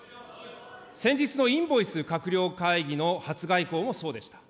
先日のインボイス閣僚会議のもそうでした。